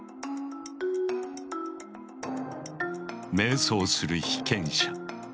迷走する被験者。